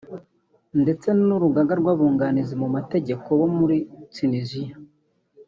ndetse n’Urugaga rw’Abunganizi mu mategeko bo muri Tunisia